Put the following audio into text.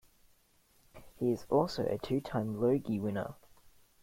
He is also a two-time Logie winner.